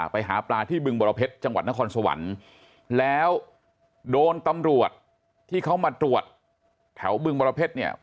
ไปหาปลาที่บึงบรเพชรจังหวัดนครสวรรค์แล้วโดนตำรวจที่เขามาตรวจแถวบึงบรเพชรเนี่ย